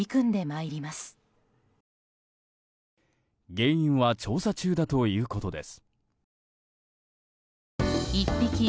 原因は調査中だということです。